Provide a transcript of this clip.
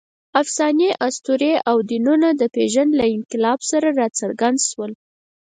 افسانې، اسطورې او دینونه د پېژند له انقلاب سره راڅرګند شول.